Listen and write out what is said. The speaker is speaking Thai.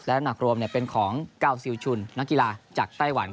และหนักรวมเป็นของกาวซิลชุนนักกีฬาจากไต้หวัน